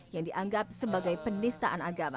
yang dianggap sebagai penistaan agama